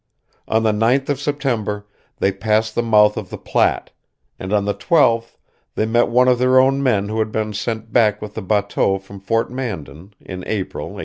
On the 9th of September they passed the mouth of the Platte; and on the 12th they met one of their own men who had been sent back with the batteau from Fort Mandan, in April, 1805.